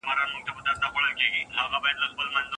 مړ سړي په ډګر کي ږدن او اتڼ خوښول.